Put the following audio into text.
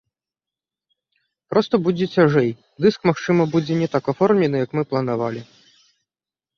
Проста будзе цяжэй, дыск, магчыма, будзе не так аформлены, як мы планавалі.